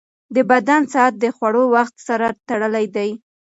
د بدن ساعت د خوړو وخت سره تړلی دی.